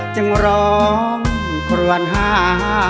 จึงรองควรหา